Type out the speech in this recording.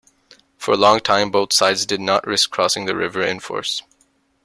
For a long time both sides did not risk crossing the river in force.